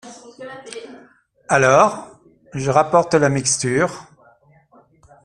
Alors, je rapporte la mixture…